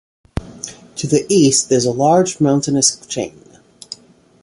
To the east, there is a large mountainous chain.